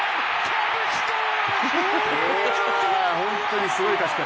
本当にすごい勝ち方。